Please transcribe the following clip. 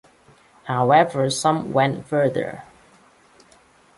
However some went further.